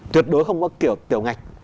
tuyệt đối không có kiểu tiểu ngạch